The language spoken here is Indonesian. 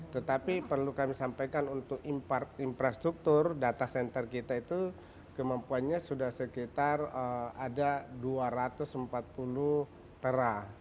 tetapi perlu kami sampaikan untuk infrastruktur data center kita itu kemampuannya sudah sekitar ada dua ratus empat puluh terah